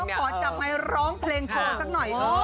ขอจับไมค์ร้องเพลงโชว์สักหน่อย